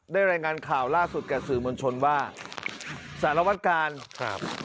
รายงานข่าวล่าสุดกับสื่อมวลชนว่าสารวัตกาลครับ